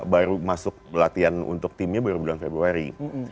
baru masuk latihan untuk timnya baru bulan februari